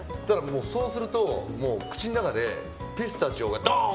そうすると口の中でピスタチオがドーン！